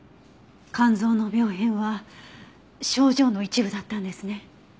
肝臓の病変は症状の一部だったんですね。